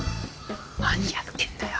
何やってんだよ！